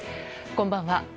こんばんは。